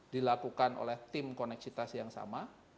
dilakukan oleh tim koneksitas yang sama